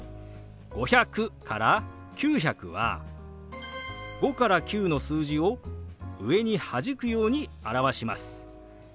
５００から９００は５から９の数字を上にはじくように表します。